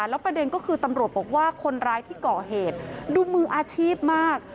แล้วประเด็นก็คือตำรวจบอกว่าคนร้ายที่ก่อเหตุดูมืออาชีพมาก